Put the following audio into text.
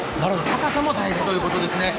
高さも大事ということですね。